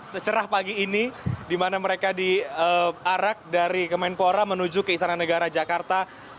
secerah pagi ini di mana mereka diarak dari kemenpora menuju ke istana negara jakarta